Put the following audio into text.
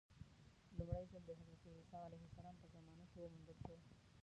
لومړی ځل د حضرت عیسی علیه السلام په زمانه کې وموندل شو.